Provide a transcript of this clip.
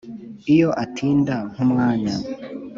iyo atinda nk’umwanya